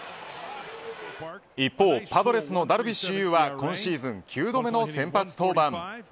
一方、パドレスのダルビッシュ有は今シーズン９度目の先発登板。